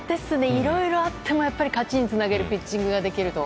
いろいろあってもやっぱり勝ちにつなげるピッチングができると。